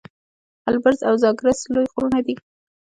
البرز او زاگرس لوی غرونه دي.